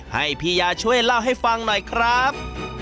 ให้พี่ยาช่วยเล่าให้ฟังหน่อยครับ